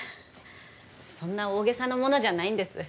そんな大げさなものじゃないんです